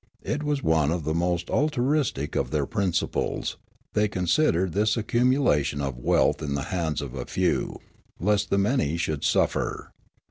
It was one of the most altruis tic of their principles, they considered, this accumul ation of wealth in the hands of a few, lest the many should suffer.